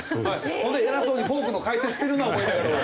ほんで偉そうにフォークの解説してるな思いながら。